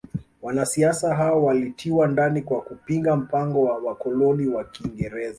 Wanasiasa hao walitiwa ndani kwa kupinga mpango wa wakoloni wa kiingereza